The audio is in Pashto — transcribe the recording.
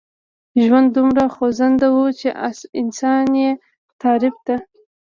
ژوند دومره خوځنده و چې انسان يې تعريف ته.